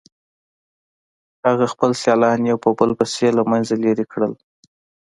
هغه خپل سیالان یو په بل پسې له مخې لرې کړل